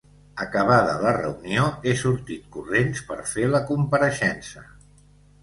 Acabada la reunió, he sortit corrents per fer la compareixença.